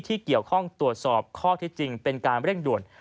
ที่เกี่ยวข้องตรวจสอบข้อที่จริงเป็นการเร่งด่วน